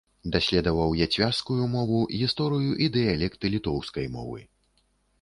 Даследаваў яцвяжскую мову, гісторыю і дыялекты літоўскай мовы.